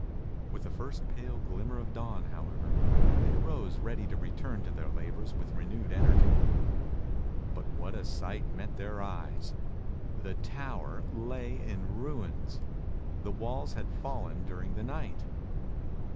With the first pale glimmer of dawn, however, they arose ready to return to their labors with renewed energy. But what a sight met their eyes! The tower lay in ruins! The walls had fallen during the night!